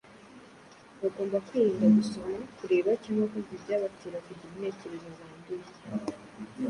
bagomba kwirinda gusoma, kureba cyangwa kumva ibyabatera kugira intekerezo zanduye